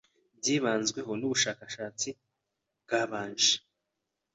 byibanzweho n'ubushakashatsi bwabanje